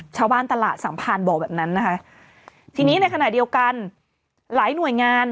ชาวบ้านตลาดสัมภารบอกแบบนั้นนะคะทีนี้ในขณะเดียวกันหลายหน่วยงาน